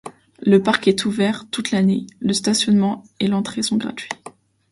Le parc est ouvert toute l'année, le stationnement et l'entrée sont gratuits.